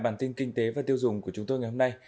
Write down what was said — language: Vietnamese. bản tin kinh tế và tiêu dùng của chúng tôi ngày hôm nay